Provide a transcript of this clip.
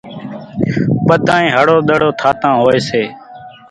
ٻڌانئين هڙو ۮڙو ٿاتان هوئيَ سي۔